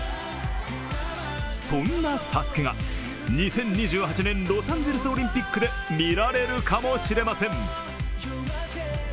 そんな「ＳＡＳＵＫＥ」が２０２８年ロサンゼルスオリンピックで見られるかもしれません。